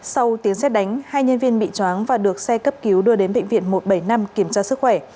sau tiến xét đánh hai nhân viên bị chóng và được xe cấp cứu đưa đến bệnh viện một trăm bảy mươi năm kiểm tra sức khỏe